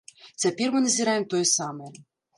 Цяпер мы назіраем тое самае.